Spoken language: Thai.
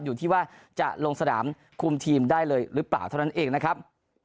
อยู่ที่ว่าจะลงสนามคุมทีมได้เลยหรือเปล่าเท่านั้นเองนะครับ